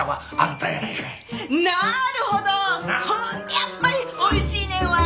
やっぱりおいしいねんわ！